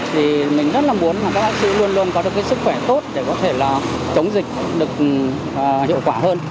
thì mình rất là muốn là các bác sĩ luôn luôn có được cái sức khỏe tốt để có thể là chống dịch được hiệu quả hơn